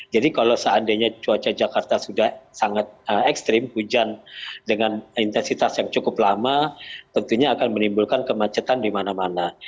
jadi kalau seandainya cuaca jakarta sudah sangat ekstrim hujan dengan intensitas yang cukup lama tentunya akan menimbulkan kemacetan di mana mana